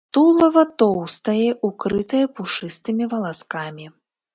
Тулава тоўстае, укрытае пушыстымі валаскамі.